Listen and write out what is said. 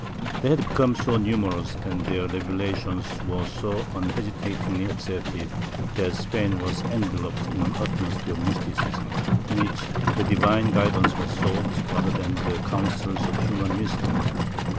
They had become so numerous and their revelations were so unhesi tatingly accepted, that Spain was enveloped in an atmosphere of mysticism, in which the divine guidance was sought, rather than the councils of human wisdom.